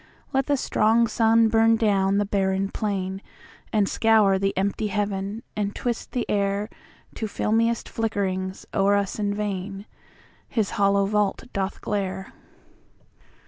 Let the strong sun burn down the barren plainAnd scour the empty heaven, and twist the airTo filmiest flickerings, o'er us in vainHis hollow vault doth glare.